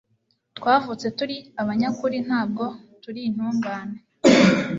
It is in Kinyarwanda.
Twavutse turi abanyakuri, ntabwo turi intungane.